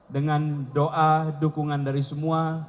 dengan doa dukungan dari semua